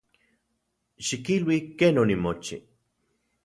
Xikilui ken onimochi.